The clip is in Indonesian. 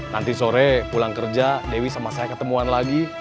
nanti sore pulang kerja dewi sama saya ketemuan lagi